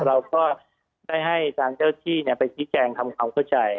เราก็ได้ให้ทางเจ้าที่ไปชี้แจงทำความเข้าใจ